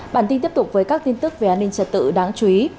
bản tin tiếp tục với các tin tức về an ninh trật tự đáng chú ý